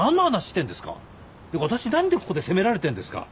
っていうか私何でここで責められてんですか。